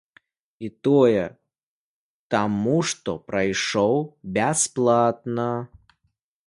І тое, таму што прайшоў бясплатна.